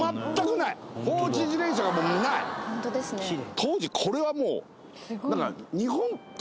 当時これはもうなんか。